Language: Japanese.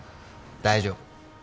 大丈夫。